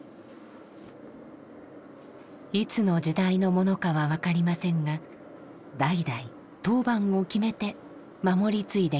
いつの時代のものかは分かりませんが代々当番を決めて守り継いできました。